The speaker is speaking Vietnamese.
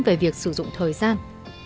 về việc sử dụng thời gian